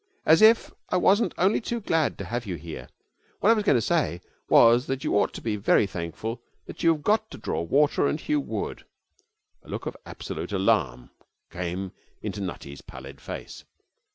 As if I wasn't only too glad to have you here. What I was going to say was that you ought to be very thankful that you have got to draw water and hew wood ' A look of absolute alarm came into Nutty's pallid face.